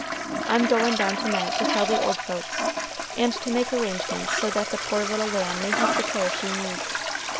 I'm goin' down to night to tell the old folks, and to make arrangements so that the poor little lamb may have the care she needs.